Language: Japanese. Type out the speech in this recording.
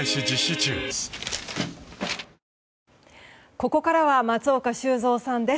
ここからは松岡修造さんです。